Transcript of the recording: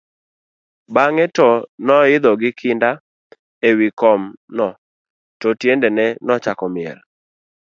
bang'e to noidho gi kinda e wi kom no, to tiendene nochako miel